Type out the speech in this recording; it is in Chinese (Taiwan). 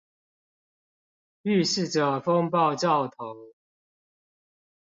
預示著風暴兆頭